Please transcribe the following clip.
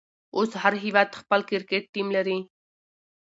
اوس هر هيواد خپل کرکټ ټيم لري.